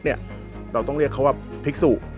เราต้องเรียกเขาว่าภิกษุ